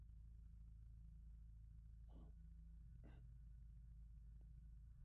Se licenció en Medicina y Cirugía por la Universidad de Murcia.